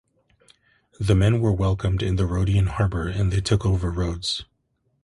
The men were welcomed in the Rhodian harbor and they took over Rhodes.